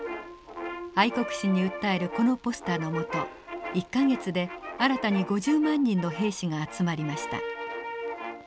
愛国心に訴えるこのポスターのもと１か月で新たに５０万人の兵士が集まりました。